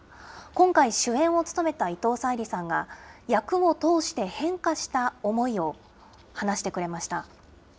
今回主演を務めた伊藤沙莉さんが、役を通して変化した思いを話してくれました。